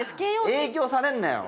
影響されんなよ